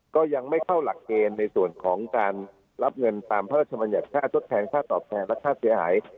ก็ยังไม่เข้าหลักเกณฑ์ในส่วนของการรับเงินตามพระราชบัญญัติค่าทดแทนค่าตอบแทนและค่าเสียหาย